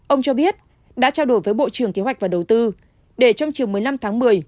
ông cho biết đã trao đổi với bộ trưởng kế hoạch và đầu tư để trong chiều một mươi năm tháng một mươi